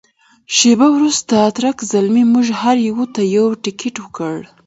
شیبه وروسته تُرک زلمي موږ هر یوه ته یو تکټ ورکړ.